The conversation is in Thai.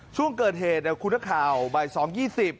ช่วงเกิดเหตุคุณนักข่าวบ่าย๒๒๐